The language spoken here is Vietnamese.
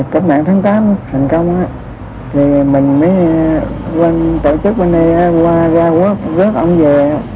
tập mạng tháng tám thành công mình mới tổ chức qua gia quốc rớt ông về